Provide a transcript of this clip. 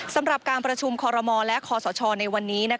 สำหรับการประชุมคอรมอและคอสชในวันนี้